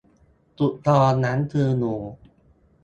สุกรนั้นคือหมู